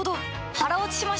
腹落ちしました！